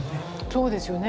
そうですよね。